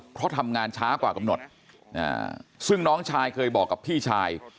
เพราะทำงานช้ากว่ากำหนดซึ่งน้องชายเคยบอกกับพี่ชาย